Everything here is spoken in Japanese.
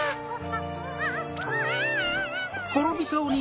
あっ。